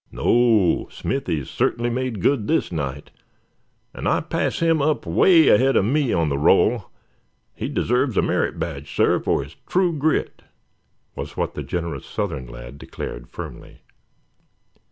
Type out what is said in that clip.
"No, Smithy certainly made good this night; and I pass him up away ahead of me on the roll. He deserves a merit badge, suh, for his true grit," was what the generous Southern lad declared firmly.